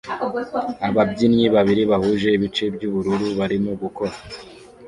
Ababyinnyi babiri bahuje ibice byubururu barimo gukora